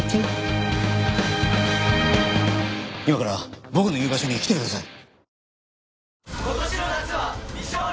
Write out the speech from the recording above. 今から僕の言う場所に来てください！